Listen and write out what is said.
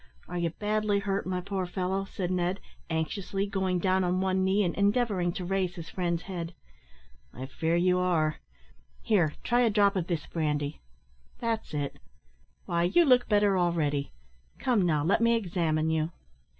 "Are you badly hurt, my poor fellow?" said Ned, anxiously, going down on one knee and endeavouring to raise his friend's head. "I fear you are. Here, try a drop of this brandy. That's it. Why, you look better already. Come, now, let me examine you."